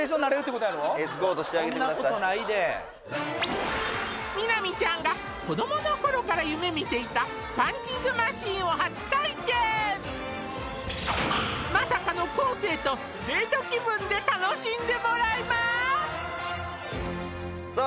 こんなことないで美波ちゃんが子供の頃から夢見ていたまさかの昴生とデート気分で楽しんでもらいますさあ